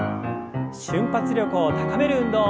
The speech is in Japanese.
瞬発力を高める運動。